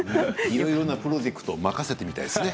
いろいろなプロジェクトを任せてみたいですね